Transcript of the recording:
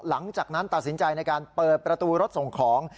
หลังจากนั้นตัดสินใจในการเปิดประตูรถส่งของ